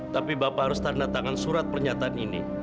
tapi bapak harus tanda tangan surat pernyataan ini